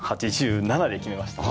８７で決めました。